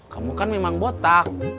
kamu kan memang botak